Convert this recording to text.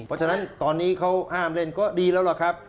เพราะฉะนั้นตอนนี้เขาห้ามเล่นก็ดีแล้วล่ะครับ